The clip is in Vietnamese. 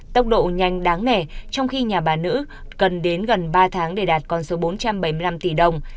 tốc độ nhanh đáng nẻ trong khi nhà bà nữ cần đến gần ba tháng để đạt con số bốn trăm bảy mươi năm tỷ đồng